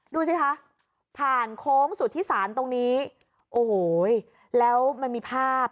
ดูสิคะผ่านโค้งสุธิศาลตรงนี้โอ้โหแล้วมันมีภาพ